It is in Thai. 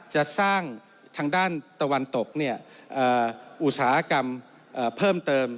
จะสร้างทางด้านตะวันตกอุตสาหกรรมเพิ่มเติม